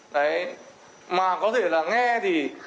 đấy mà có thể là nghe thì